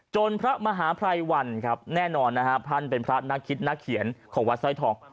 โจรพระมหาพลัยวรรณแน่นอนนะครับท่านพระน่าคิดของวัดสวยทอง